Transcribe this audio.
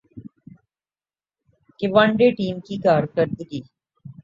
کہ one day team کی کارکردگی